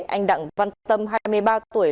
anh đặng văn tâm hai mươi ba tuổi